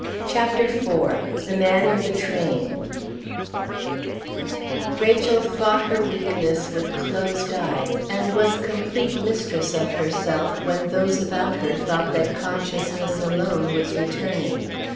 CHAPTER IV THE MAN IN THE TRAIN Rachel fought her weakness with closed eyes, and was complete mistress of herself when those about her thought that consciousness alone was returning.